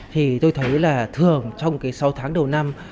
thì tôi thấy là thường trong sáu tháng đầu năm